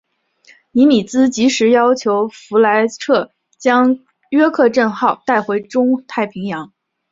尼米兹即时要求弗莱彻将约克镇号带回中太平洋。